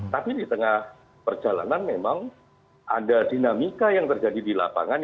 tapi di tengah perjalanan memang ada dinamika yang terjadi di lapangan